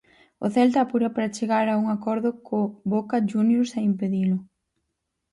O Celta apura para chegar a un acordo co Boca Juniors e impedilo.